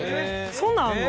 そんなんあるの？